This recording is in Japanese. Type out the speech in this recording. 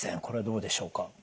これはどうでしょうか？